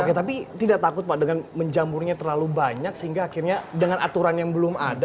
oke tapi tidak takut pak dengan menjamurnya terlalu banyak sehingga akhirnya dengan aturan yang belum ada